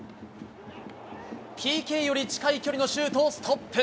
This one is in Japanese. ＰＫより近い距離のシュートをストップ。